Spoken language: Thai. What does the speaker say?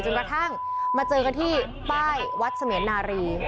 กระทั่งมาเจอกันที่ป้ายวัดเสมียนารี